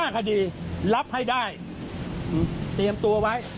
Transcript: ๕คดีรับให้ได้เตรียมตัวไว้